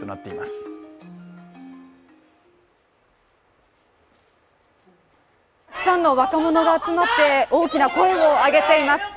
たくさんの若者が集まって大きな声を上げています。